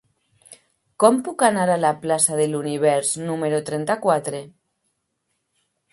Com puc anar a la plaça de l'Univers número trenta-quatre?